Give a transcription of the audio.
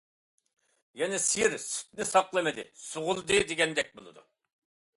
يەنى سىيىر سۈتنى ساقلىمىدى، سوغۇلدى دېگەندەك بولىدۇ.